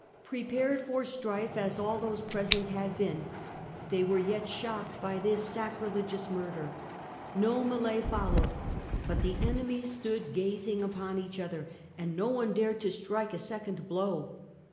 Prepared for strife as all those present had been, they were yet shocked by this sacrilegious murder. No m§14e followed, but the enemies stood gazing upon each other, and no one dared to strike a second blow.